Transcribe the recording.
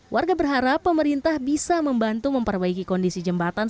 warga berharap pemerintah bisa membantu memperbaiki kondisi jembatan